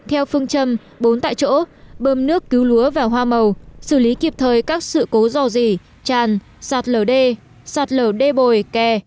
theo phương châm bốn tại chỗ bơm nước cứu lúa và hoa màu xử lý kịp thời các sự cố dò dỉ tràn sạt lở đê sạt lở đê bồi kè